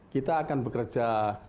kita akan bekerja